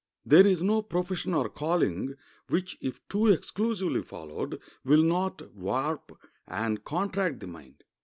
There is no profession or calling which, if too exclusively followed, will not warp and contract the mind.